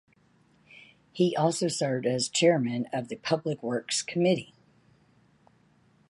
He also served as chairman of the public works committee.